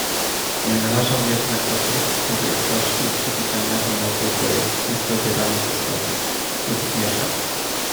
"Nie należał jednak do tych, których coś nieprzewidzianego mogłoby niespodzianie zaskoczyć, lub zmieszać."